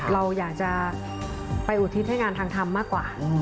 เราอยากจะไปอุทิศให้งานทางธรรมมากกว่า